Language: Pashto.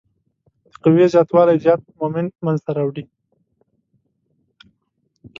د قوې زیات والی زیات مومنټ منځته راوړي.